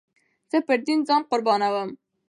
زه پر دين ځان قربانوم.